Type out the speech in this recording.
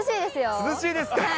涼しいですか？